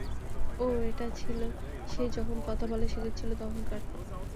ওহ, এটা ছিলো সে যখন কথা বলা শিখেছিলো তখনকার।